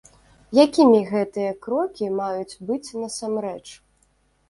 Якімі гэтыя крокі маюць быць насамрэч?